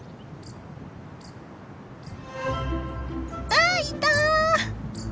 あっいた！